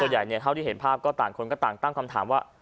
ใหญ่เท่าที่เห็นภาพก็ต่างคนก็ต่างตั้งคำถามว่า